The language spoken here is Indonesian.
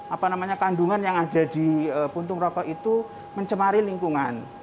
apa namanya kandungan yang ada di puntung rokok itu mencemari lingkungan